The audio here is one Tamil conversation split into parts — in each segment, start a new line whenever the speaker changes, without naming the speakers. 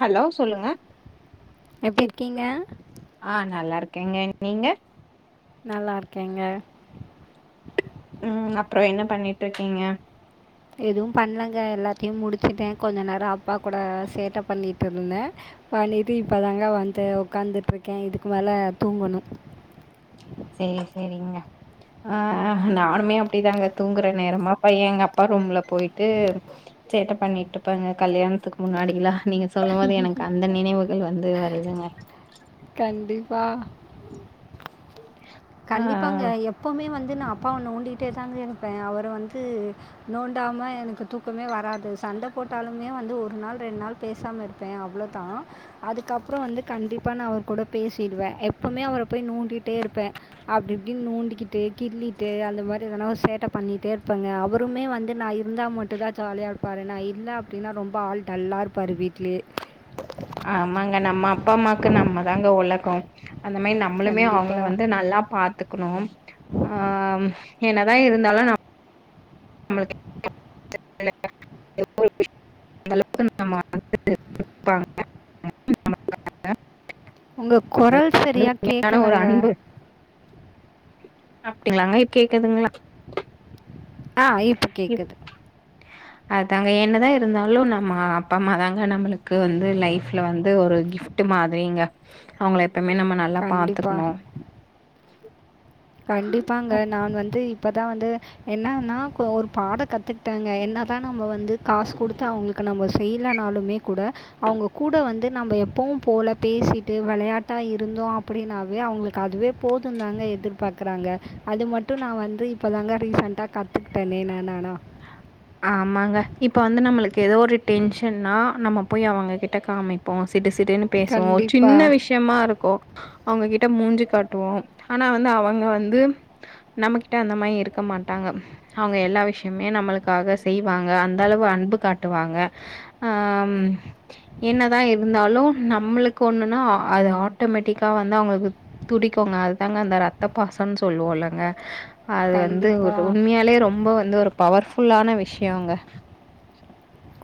ஹலோ சொல்லுங்க
எப்படி
கேக்
இருக்கீங்க
அ நல்லா இருக்கேங்க நீங்க
நல்லா இருக்கேங்க
ம் அப்புற என்ன பண்ணிட்ருக்கீங்க
எதுவு பண்ணலங்க எல்லாத்தையு முடிச்சுட்டே கொஞ்ச நேரோ அப்பா கூட சேட்ட பண்ணிட்டு இருந்தே பண்ணிட்டு இப்பதாங்க வந்து உக்காந்துட்ருக்கே இதுக்கு மேல தூங்கணு
செரி செரிங்க அ நானுமே அப்டிதாங்க தூங்குற நேரமா பைய எங்க அப்பா ரூம்ல போயிட்டு சேட்ட பண்ணிட்டுப்பாங்க கல்யாணத்துக்கு முன்னாடில்லா நீங்க சொல்லும் போது எனக்கு அந்த நினைவுகள் வந்து வருதுங்க
கண்டிப்பா
ஆ
கண்டிப்பாங்க எப்பவுமே வந்து நா அப்பாவ நோண்டிட்டே தாங்க இருப்பே அவர வந்து நோண்டாம எனக்கு தூக்கமே வராது சண்ட போட்டாலுமே வந்து ஒரு நாள் ரெண் நாள் பேசாம இருப்பே அவ்ளோதா அதுக்கப்பறோ வந்து கண்டிப்பா நா அவர் கூட பேசிடுவே எப்பவுமே அவர போய் நோண்டிட்டே இருப்பே அப்டி இப்டின்னு நோண்டிக்கிட்டு கிள்ளிட்டு அந்த மாரி எதனா ஒரு சேட்ட பண்ணிட்டே இருப்பேங்க அவருமே வந்து நா ர் இருந்தா மட்டு தா ஜாலியா இருப்பாரு நா இல்ல அப்டின்னா ரொம்ப ஆள் டல்லா இருப்பாரு வீட்லயே
ஆமாங்க நம்ம அப்பா அம்மாக்கு நம்மதாங்க ஒலக்கோ அந்த மாரி நா நம்மளுமே
கண்டிப்பா.
அவுங்கள வந்து நல்லா பாத்துக்குனு ஆ என்னதா இருந்தாலு [unintelligible] அந்தளவுக்கு நம்ம வந்துட்டு பாப்பாங்க [unintelligible]
உங்க கொரல் சரியா கேக்கலங்க
அப்டிங்ளாங்க இ கேக்குதுங்ளா
ஆ ஈப்ப
இப் அதாங்க என்னதா இருந்தாலு நம்ம அப்பா அம்மா தாங்க நம்மளுக்கு வந்து லைஃப்ல வந்து ஒரு கிஃப் ட்டு மாரிங்க அவுங்கள எப்பமே நம்ம நல்லா
கண்டிப்பா.
பாத்துக்கணோ
கண்டிப்பாங்க நான் வந்து இப்பதா வந்து என்னன்னா கோ ஒரு பாட கத்துகிட்டேங்க என்னதா நம்ம வந்து காஸ் குடுத்து அவுங்ளுக் கு நம்ம செய்லனாலுமே கூட அவுங்க கூட வந்து நம்ப எப்பவு போல பேசிட்டு வெளயாட்டா இருந்தோ அப்டின்னாவே அவுங்ளுக்கு அதுவே போதுந்தாங்க எதிர்ப் பாக்குறாங்க அது மட்டு நா வந்து இப்போ தாங்க ரீசண்ட்டா கத்துக்கிட்டேன்னே நானா
ஆமாங்க இப்ப வந்து நம்மளுக்கு ஏதோ ஒரு டென்ஷன்னா நம்ம போய் அவுங்க கிட்ட காமிப் போ சிடு சிடுன்னு பேசுவோ ஒரு
கண்டிப்பா,
சின்ன விஷ் யமா இருக்கோ அவுங்ககிட்ட மூஞ்சு காட்டுவோ ஆனா வந்து அவுங்க வந்து நம்மகிட்ட அந்த மாரியே இருக்க மாட்டாங்க அவுங்க எல்லா விஷ்யமே நம்மளுக் க்காக செய்வாங்க அந்த அளவு அன்பு காட்டுவாங்க ஆ ம் என்னதா இருந்தாலு நம்மளுக்கு ஒண்ணுன்னா அ அது ஆட்டோமெட்டிக்கா வந்து அவுங்களுக் துடிக்கோங்க அதுதாங்க அந்த ரத்த பாசோனு சொல்லுவோலங்க அது வந்து ஒரு
கண்டிப்பா.
உண்மையாலேயே ரொம்ப வந்து ஒரு பவர்ஃபுல்லான விஷ்யோங்க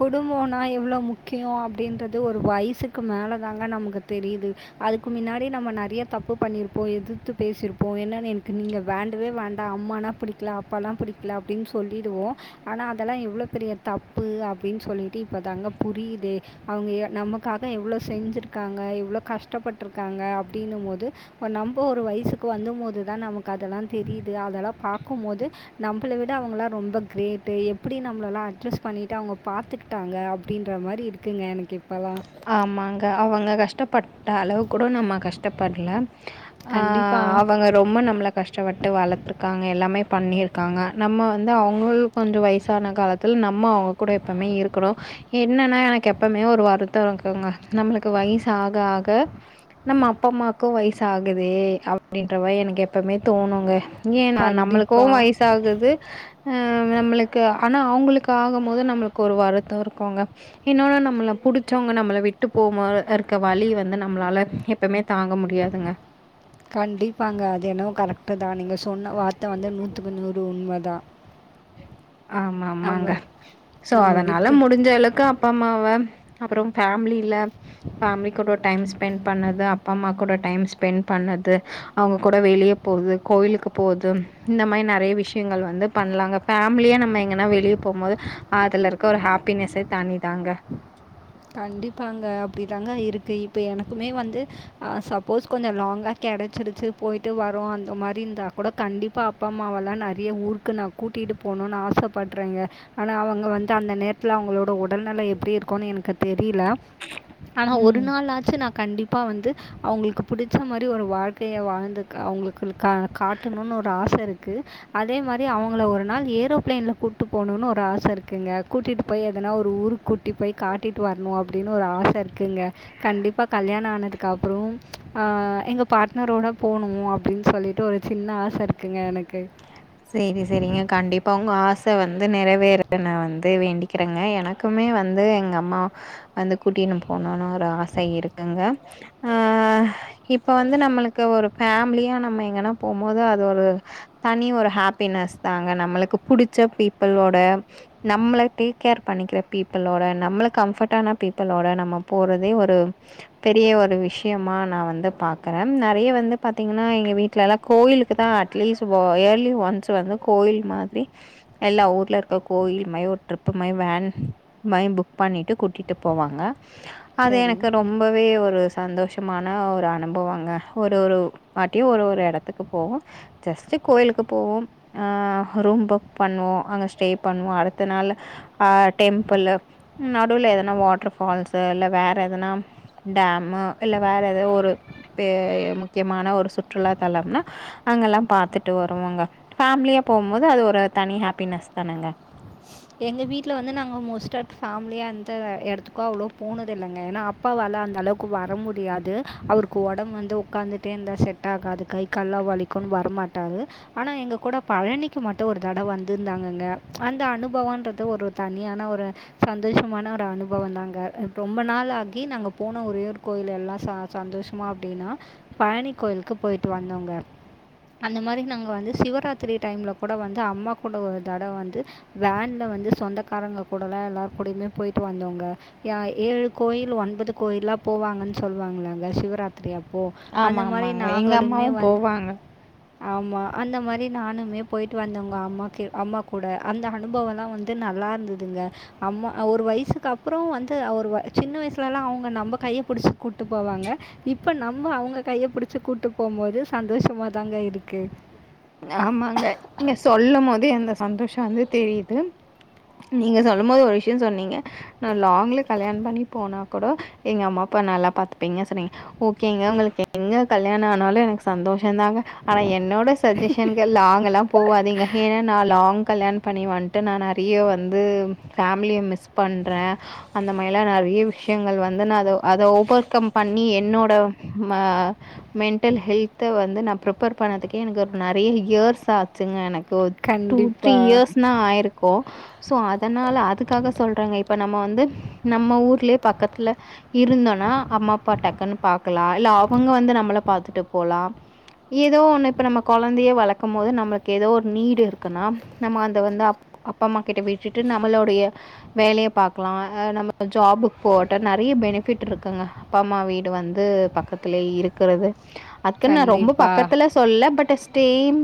குடும்போனா எவ்ளோ முக்கிய அப்டின்றது ஒரு வயசுக்கு மேல தாங்க நமக்கு தெரிது அதுக்கு மின்னாடி நம்ம நெறைய தப்பு பண்ணிருப்போ எதித்து பேசிருப்போ என்னன்னு எனக்கு நீங்க வேண்டவே வேண்டா அம்மானா பிடிக்கல அப்பல்லா பிடிக்கல அப்டின்னு சொல்லிடுவோ ஆனா அதெல்லா எவ்ளோ பெரிய தப்பு அப் பிடின் சொல்லிட்டு இப்போ தாங்க புரியுது அவுங்க எ நமக்காக எவ்ளோ செஞ்சிருக்காங்க எவ்ளோ கஷ்டப்பட்ருக்காங்க அப்டின்னும்போது இப்ப நம்ப ஒரு வயசுக்கு வந்த மோது தா நமக்கு அதெல்லா தெரியுது அதெல்லா பாக்கு மோது நம்பள விட அவுங்கல்லா ரொம்ப கிரேட்டு எப்டி நம்ளல்லா அட்ஜஸ் பண்ணிட்டு அவுங்க பாத்துக்கிட்டாங்க அப்டின்ற மாரி இருக்குங்க எனக்கு இப்பலா
ஆமாங்க அவுங்க கஷ்டப்பட்ட அளவு கூட நம்ம கஷ்டப்பட்ல ஆ
கண்டிப்பாக
அவுங்க ரொம்ம நம்மள கஷ்டப்பட்டு வளத்திருக்காங்க எல்லாமே பண்ணிருக்காங்க நம்ம வந்து அவுங்கள் கொஞ்சோ வயசான காலத்தில் நம்ம அவுங் கூட எப்பவுமே இருக்கணு என்னன்னா எனக்கு எப்பவுமே ஒரு வரு த்தோருக்குங்க நம்மளுக்கு வய்சு ஆக ஆக நம்ம அப்பா அம்மாக்கு வயசு ஆகுதே அப்டின்ற வாய் எனக்கு எப்பமே தோணுங்க ஏ நா நம்மளுக்கு
கண்டிப்பாக
வயசாகுது அ நம்ளுக்கு ஆனா அவங்களுக்கு ஆகும் போது நம்ளுக்கு ஒரு வருத்தோ இருக்குங்க இன்னொன்னு நம்மள புடிச் சவங்க நம்மள விட்டு போம் போது இருக்க வலி வந்து நம்மளால எப்பமே தாங்க முடியாதுங்க
கண்டிப்பாங்க அது என்னவோ கரெக்ட் தா நீங்க சொன்ன வார்த்த வந்து நூத்துக்கு நூறு உண்மதா
ஆமா ஆமாங்க சோ
நம்ம
அதனால
விட்டு
முடிஞ்ச அளக்கு அப் பாம்மாவ அப்புறோ ஃபேமிலில ஃபமிலி கூட டைம் ஸ்பெண்ட் பண்ணது அப்பா அம்மா கூட டைம் ஸ்பெண்ட் பண்ணது அவங்க கூட வெளியே போறது கோயிலுக்கு போது இந்த மாரி நெறய விஷயங்கள் வந்து பண்லாங்க ஃபேமிலியா நம்ம எங்கன்னா வெளியே போம் போது அதுல இருக்க ஒரு ஹாப்பினஸே தனிதாங்க
கண்டிப்பாங்க அப்டி தாங்க இருக்கு இப்போ எனக்குமே வந்து அ சப்போஸ் கொஞ்சோ லாங்கா கிடச்சிடிச்சு போயிட்டு வரு அந்த மாரி இருந்தா கூட கண்டிப்பா அப்பா அம்மா வெல்லா நெறய ஊருக்கு நா கூட்டிட்டு போனுனு ஆசப்படுறேங்க ஆனா அவங்க வந்து அந்த நேரத் த்ல அவங்களோட உடல்நிலை எப்படி இருக்குனு எனக்கு தெரில ஆனா
ம்.
ஒரு நாள் ஆச்சு நா கண்டிப்பா வந்து அவங்ளுக்கு பிடிச்ச மாரி ஒரு வாழ்க்கைய வாழ்ந்து அவங்களுக்கு கா-காட்டணுன்னு ஒரு ஆச இருக்கு அதே மாரி அவங்கள ஒரு நாள் ஏரோ பிளைன்ல கூட்டு போகணுனு ஒரு ஆச இருக்குங்க கூட்டிட்டு போய் எதனா ஒரு ஊரு கூட் டி போய் காட்டிட்டு வரணு அப்டின்னு ஒரு ஆச இருக்குங்க கண்டிப்பா கல்யாணோ ஆனதுக்கு அப்புறோ ஆ எங்க பாட்னரோட போனு அப்டின் சொல்லிட்டு ஒரு சின்ன ஆச இருக்குங்க எனக்கு
சரி சரிங்க கண்டிப்பா உங்க ஆசை வந்து நிறைவேற நா வந்து வேண்டிக்கிறேங்க என க்குமே வந்து எங்க அம்மா வந்து கூட்டினு போணுன்னு ஒரு ஆச இருக்குங்க ஆஆ இப்ப வந்து நம்மளுக்கு ஒரு ஃபேமிலியா நம்ம எங்கன்னா போம்போது அது ஒரு தனி ஒரு ஹாப்பினஸ் தாங்க நம்மளுக்கு புடிச்ச பீப்பிளோட நம்மள டேக் கேர் பண்ணிக்கிற பீப்புளோட நம்மள கம்ஃபர்டான பீப்பிளோட நம்ம போறதே ஒரு பெரிய ஒரு விஷயமா நா வந்து பாக்குறே நிறைய வந்து பாத்தீங்கன்னா எங்க வீட்லல்லா கோயிலுக்கு தா அட்லீஸ்ட் போவா ஏர்லி ஒன்ஸ் வந்து கோயில் மாதிரி எல்லா ஊர்ல இருக்க கோயில் மாயி ஒரு ட்ரிப்பு மாயி வேன் மை புக் பண்ணிட்டு கூட்டிட்டு போவாங்க அது
சரி
எனக்கு ரொம் ரொம்பவே ஒரு சந்தோஷமான ஒரு அனுபவங்க ஒரு ஒரு வாட்டியு ஒரு ஒரு இடத்துக்கு போவொ ஜஸ்ட் கோயிலுக்கு போவோ அ ரூம் புக் பண்ணுவோ அங்க ஸ்டே பண்ணுவோ அடுத்த நாளு ஆ டெம்பிள்ளு நடுவுல எதனா வாட்டர் ஃபால்ஸ்சு இல்ல வேற எதனா டேமு இல்ல வேற ஏதோ ஒரு பே முக்கியமான ஒரு சுற்றுலா தலம்னா அங்க எல்லா பாத்துட்டு வருவோங்க ஃபேமிலியா போம்போது அது ஒரு தனி ஹாப்பினஸ் தானங்க
எங்க வீட்ல வந்து நாங்க மோஸ்டா ஃபேிலியா எந்த இடத்துக்கோ அவ்ளோ போனது இல்லங்க ஏனா அப் அப்பாவால அந்த அளவுக்கு வர முடியாது அவருக்கு உடம்பு வந்து உக்காந்துட்டே இருந்தா செட் ஆகாது கை கால்லா வலிக் க்கும் வரமாட்டாரு ஆனா எங்க கூட பழனிக்கு மட்டு ஒரு தட வந்திருந்தாங்கங்க அந்த அனு பவோன்றது ஒரு தனியான ஒரு சந்தோஷமான ஒரு அனுபவோ தாங்க ரொம்ப நாள் ஆகி நாங்க போன ஒரே ஒரு கோயில் எல்லா சா சந்தோஷமா அப்டின்னா பழனி கோயிலுக்கு போயிட்டு வந்தோங்க அந்த மாரி நாங்க வந்து சிவராத்திரி டைம்ல கூட வந்து அம்மா கூட ஒரு தடவ வந்து வேன்ல வந்து சொந்தக்காரங்க கூடலா எல்லார் கூடயுமே போயிட்டு வந்தோங்க யா ஏழு கோயில் ஒன்பது கோயில்லா போவாங்கன் சொல்லுவாங்களாங்க சிவராத் ரி அப்போ
ஆமா
அந்த மாதி
ஆமாங்க எங்க
நாங்களுமே
அம்மாவும்
வந்து
போவாங்க
ஆமா அந்த மாரி நானுமே போயிட்டு வந்தோங்க அம்மாக்கு அம்மா கூட அந்த அனுபவலா வந்து நல்லா இருந்ததுங்க அம்மா ஒரு வயசுக்கு அப் அப்புறம் வந்து அவர் சின்ன வயசுலலா அவங்க நம்ப கைய பிடிச்சி கூட்டு போவாங்க இப்ப நம்ம அவங்க கைய புடிச்சு கூட்டு போகும் போது சந்தோஷமா தாங்க இருக்கு
ஆமாங்க நீங்க சொல்லும் போது எந்த சந்தோஷ வந்து தெரியுது நீங்க சொல்லும் போது ஒரு விஷய சொன்னீங்க நா லங்லா கல்யாண பண்ணிபோனா கூட எங்க அம்மா அப்பா நல்லா பாத்துப்பீங்க சொன்னீங்க ஓகேங்க உங்களுக்கு எங்க கல்யாண ஆனாலு எனக் சந்தோஷ தாங்க ஆனா என்னோட சஜஷனுக்கு லாங்க் எல்லா போவாதீங்க ஏனா நா லாங் கல்யாண பண்ணி வந்துட்டு நா நெறைய வந்து ஃபேமிலிய மிஸ் பண்ற அந்த மாரியில்லா நிறைய விஷயங்கள் வந்து நா அத அத ஓவர்கம் பண்ணி என்னோட ம மென்டல் ஹெல்த வந்து நா பிரிப்பர் பண்ணறதுக்கே எனக்கு நெறைய இயர்ஸ் ஆச்சுங்க எனக்கு ஒரு டூ த்ரீ
கண்டிப்பா.
இயர்ஸ்னா ஆயிருக்கு சோ அதனால அதுக்காக சொல்றங்க இப்ப நம்ம வந்து நம்ம ஊர்லயே பக்கத்துல இருந்தோனா அம்மா அப்பா டக்குன் பாக்கலா இல்ல அவங்க வந்து நம்மள பாத்துட்டு போலா ஏதோ ஒண்ணு இப்ப நம்ம கொழந்தையை வளர்க்கும் போது நம்மளுக்கு ஏதோ ஒரு நீடு இருக்குனா நம்ம அந்த வந்து அப் அப்பா அம்மா கிட்ட விட்டுட்டு நம்மளோடைய வேலைய பாக்லா அ நம்ம ஜாபுக்கு போட்ட நெறைய பெனிஃபிட் இருக்குங்க அப்பா அம்மா வீடு வந்து பக்கத்திலேயே இருகறது அதுக்குன் நா ரொம்ப
கண்டிப்பா.
பக்கத்தில சொல்ல பட் ஸ்டேம்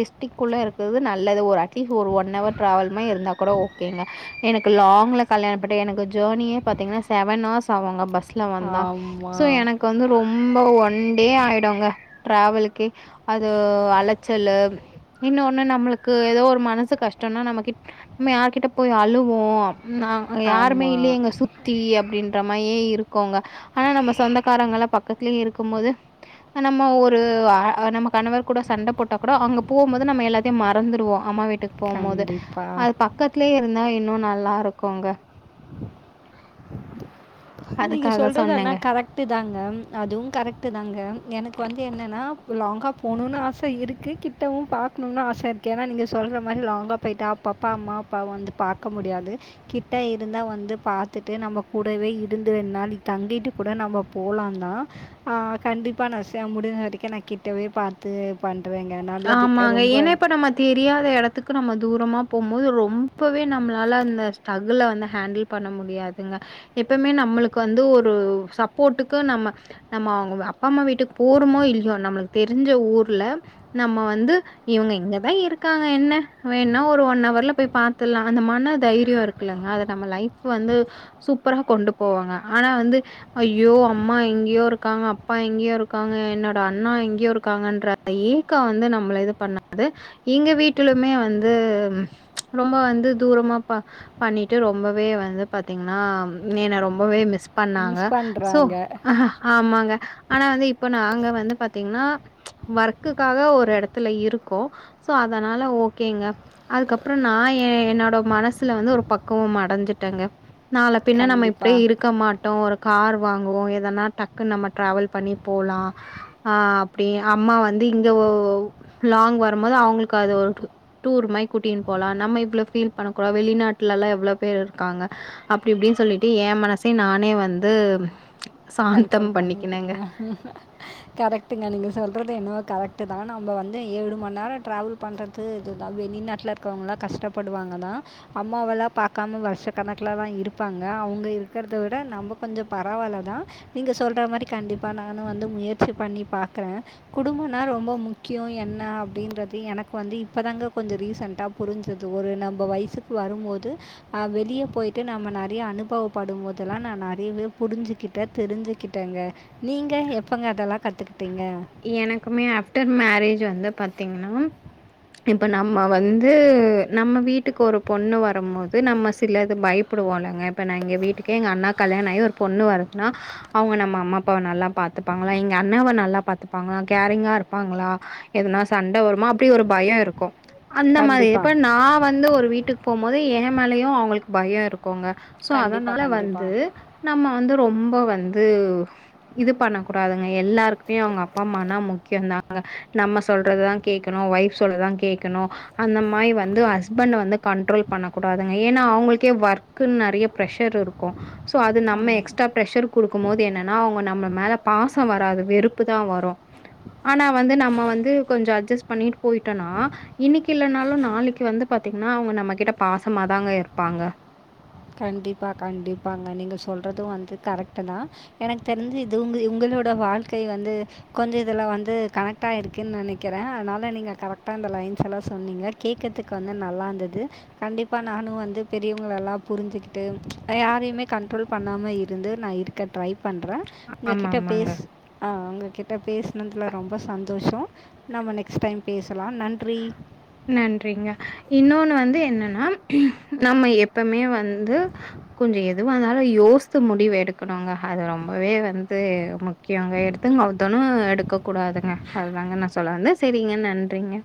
டிஸ்டிக்குள்ளே இருக்கிறது நல்லது ஒரு அட் அட்லீஸ்ட் ஒரு ஒன் ஹவர் ட்ராவல் மா இருந்தா கூட ஓக் கேங்க எனக்கு லாங்ல கல்யாண பண்ணி எனக்கு ஜேர்னியே பாத்தீங்கன்னா செவன் அவர்ஸ் ஆவுங்க பஸ்ல ல வந்தா
ஆமா.
சோ எனக்கு வந்து ரொம்ப ஒன் டே ஆயிடுங்க டிராவலுக்கே அது அலைச்சலு இன்னொன்னு நம்மளுக்கு ஏதோ ஒரு மனசு கஷ்டனா நம்ம கிட்ட நம்ம யாருகிட்ட போய் அழுவோ நா யாருமே
ஆமா.
இல்லையேங்க சுத் தி அப்படின்ற மாரியே இருக்கோங்க ஆனா நம்ம சொந்தக்காரங்க எல்லா பக்கத்துலயே இருக்கும் போது நம்ம ஒரு அ நமக் கணவர் கூட சண்ட போட்டா கூட அங்க போம்போது நம்ம எல்லாத்தையு மறந்துடுவோ அம்மா வீட்டுக்கு போம் போது
கண்டிப்பா.
அது பக்கத்துலயே இருந்தா இன்னு நல்லா இருக்குங்க
நீங்க
அதுக்காக
சொல்றது ஆனா
சொன்னேங்க
கரெக்ட் டு தாங்க அதுவு கரெக்டு தாங்க எனக்கு வந்து என்னன்னா லாங்கா போணுனு ஆச இருக்கு கிட் ட்டவு பாக்கணுனு ஆசை இருக்கு ஏன்னா நீங்க சொல்ற மாரி லாங்கா போய்ட்டா அப்ப அப்ப அம்மா அப்பா வந்து பாக்க முடியாது கிட்ட இருந்தா வந்து பாத்துட்டு நம்ம கூடவே இருப் இருந்து ரெண்டு நாளைக்கு தங்கிட்டு கூட நம்ம போலாந்தா ஆ கண்டிப்பா ந செய் முடிஞ்ச வரைக்கு நா கேட் கிட்டவே பாத்து பண்றங்க நல்லது
ஆமாங்க.
ரொம்ப
ஏன்னா இப்ப நம்ம தெரியாத எடத்துக்கு நம்ம தூரமா போம்போது ரொம்பவே நம்ளால அந்த ஸ்டகுல வந்து ஹேண்டில் பண்ண முடியாதுங்க எப்பமே நம்மளுக்கு வந்து ஒரு சப்போட்டுக்கு நம்ம நம்ம அவங்க அப்பா அம்மா வீட்டுக்கு போறமோ இல்லையோ நம்மளுக்கு தெரிஞ்ச ஊர்ல நம்ம வந்து இவங்க இங்கதா இருக்காங்க என்ன வேணா ஒரு ஒன் அவர்ல போய் பாத்துலா அந்த மன தைரிய இருக் இல்லங்க அத நம்ம லைஃப் வந்து சூப்பரா கொண்டு போவாங்க ஆனா வந்து ஐயோ அம்மா எங்கேயோ இருக்காங்க அப்பா எங்கேயோ இருக்காங்க என்னோட அண்ணா எங்கேயோ இருக்காங்கன்ற அந்த ஏக் க்க வந்து நம்மள இது பண்ணாது எங்க வீட்டுலுமே வந்து ரொம்ப வந்து தூரமா பா பண்ணிட்டு ரொம்பவே வந்து பாத்தீங்கன்னா நீ என்ன ரொம்பவே மிஸ் பண்ணாங்க
மிஸ்
சோ
பண்றாங்க.
ஆமாங்க ஆனா வந்து இப்ப நாங்க வந்து பாத்தீங்கன்னா வர் க்குகாக ஒரு எடத்துல இருக்கொ சோ அதனால ஓகேங்க அதுக்கப்புறோ நா எ என்னோட மனசுல வந்து ஒரு பக்குவமடஞ்சுட்டேங்க நாளப் பின்ன நம்ம
கண்டிப்பா.
இப்படியே இருக்க மாட்டோ ஒரு கார் வாங்குவோ எதனா டக்குன் நம்ம டிராவல் பண்ணி போலா ஆ அப்டி அம்மா வந் து இங்க வ லாங் வருமோது அவங்களுக்கு அது ஒரு டூர் மாரி கூட்டீன் போலா நம்ம இவ்ளோ ஃபீல் பண்ண கூடா வெளிநாட்ல எல்லா எவ்ளோ பேர் இருக்காங்க அப்டி இப்டின் சொல்லிட்டு ஏ மனசயே நானே வந்து
கண்ட்ரோல்
சாந்தம் பண்ணிக்கினேங்க
பண்ணிப்பீங்க கரெக்ட்டுங்க நீங்க சொல்றது என்னவோ கரெக்ட்டு தா நம்ப வந்து ஏழு மண் நேர டிராவல் பண்றது இதுதா வெளிநாட்ல இருக்கவங்களா கஷ்டப்படுவாங்க தா அம்மாவல்லா பாக்காம வர்ஷ கணக்ல தா இருப்பாங்க அவங்க இருக்கர்த விட நம்ப கொஞ்ச பரவால தா நீங்க சொல்ற மாரி கண்டிப்பா நானு வந்து முயற்சி பண்ணி பாக்குறே குடும்பனா ரொம்ப முக்கியோ என்னா அப்டின்றது எனக்கு வந்து இப்பதாங்க கொஞ்ச ரீசன்ட்டா புரிஞ்சுது ஒரு நம்ப வயசுக்கு வரும்போது ஆ வெளிய போயிட்டு நாம நெறைய அனுபவப்படு போதெல்லா நா நெறையவே புரிஞ்சுக்கிட் ட தெரிஞ்சுக்கிட்டேங்க நீங்க எப்பங்க அதெல்லா கத்துக்கிட்டீங்க
எனக்குமே ஆஃப்டர் மேரேஜ் வந்து பாத்தீங்கன்னா இப்ப நம்ம வந்து நம்ம வீட்டுக்கு ஒரு பொண்ணு வரும்போது நம்ம சிலது பயு ப்படுவோலங்க இப்ப நா எங்க வீட்டுக்கே எங்க அண்ணாக் கல்யாண ஆயி ஒரு பொண்ணு வருதுன்னா அவங்க நம்ம அம்மா அப்பாவ நல்லா பாத்துப்பாங்களா எங்க அண்ணாவ நல்லா பா த்துப்பாங்களா கேரிங்கா இருப்பாங்களா எதனா சண்ட வருமா அப்டி ஒரு பய இருக்கு அந்த மாரி இப்ப
கண்டிப்பாக
நா வந்து ஒரு வீட்டுக் போம்போது எ மேலயு அவங்களுக்கு பயோ இருக் கோங்க சோ
கண்டிப்பாக
அதனால வந்து
கண்டிப்பாக
நம்ம வந்து ரொம்ப வந்து இது பண்ண கூடாதுங்க எல்லாருக்குமே அவங்க அப்பா அம்மானா முக்கிய தாங்க நம்ம சொல்றதுதா கேக்கணு ஒய்ஃப் சொல்றதா கேக்கணு அந்த மாரி வந்து ஹஸ்பண்ட வந்து கண்ட்ரோல் பண்ண கூடாதுங்க ஏன்னா அவங்களுக்கே ஒர்க்குன் நெறைய பிரஷர் இரு க்கு சோ அது நம்ம எக்ஸ்ட்டா பிர்ஷர் குடுக்கும் போது என்னன்னா அவங்க நம்ம மேல பாச வராது வெறுப்பு தா வரு ஆனா வந்து நம்ம வந்து கொஞ்சொ அட்ஜஸ் பண்ணிட்டு போய்ட்டோனா இன்னிக்கு இல்லனாலு நாளிக்கு வந்து பாத்தீங்கன்னா அவங்க நம்ம கிட்ட பாசமாதாங்க இருப்பாங்க
கண்டிப்பா கண்டிப்பாங்க நீங்க சொல்றது வந்து கரெக்ட்டு தா எனக்கு தெரிஞ்சு இது உங்கு உங்களோட வாழ்க்கை வந்து கொஞ்ச இதுல வந்து கனெக்ட் ஆயிருக்குன் நெனக்கிறே அதனால நீங்க கரெக்டா அந்த லைன்ஸ் எல்லா சொன்னீங்க கேக்கத்துக்கு வந்து நல்லா இந்தது கண்டிப்பா நானு வந்து பெரியவங்கள எல்லா புரிஞ்சிக்கிட்டு யாரையுமே கண்ட்ரோல் பண்ணாம இருந்து நா இருக்க ட்ரை பண்ற உங்க
ஆமா
கிட்ட
ஆமாங்க
பேச் ஆ உங்க கிட்ட பேசுனதுல ரொம்ப சந்தோஷொ நம்ம நெக்ஸ்ட் டைம் பேசலா நன்றி
நன்றிங்க இன்னொன்னு வந்து என்னன்னா நம்ம எப்பமே வந்து கொஞ்சொ எதுவானாலு யோச்த்து முடிவு எடுக்கணுங்க அது ரொம்பவே வந்து முக் கியோங்க எடுத்தங் கவுத்தனு எடுக்க கூடாதுங்க அதுதாங்க நா சொல்ல வந்த சேரிங்க நன்றிங்க